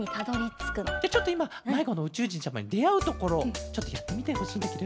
じゃあちょっといままいごのうちゅうじんちゃまにであうところちょっとやってみてほしいんだケロ。